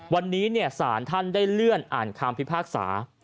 วันนี้ศาลท่านได้เลื่อนอ่านคำพิพากษา